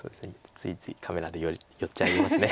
ついついカメラで寄っちゃいますね。